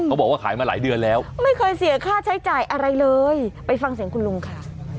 บอกว่าขายมาหลายเดือนแล้วไม่เคยเสียค่าใช้จ่ายอะไรเลยไปฟังเสียงคุณลุงค่ะ